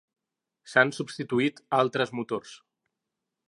S'han substitut altres motors.